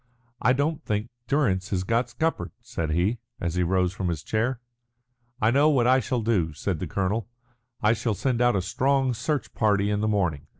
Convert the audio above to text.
"I don't think Durrance has got scuppered," said he, as he rose from his chair. "I know what I shall do," said the colonel. "I shall send out a strong search party in the morning."